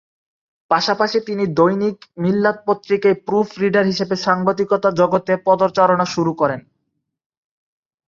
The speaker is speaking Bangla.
পাশাপাশি তিনি দৈনিক মিল্লাত পত্রিকায় প্রুফ রিডার হিসেবে সাংবাদিকতা জগতে পদচারণা শুরু করেন।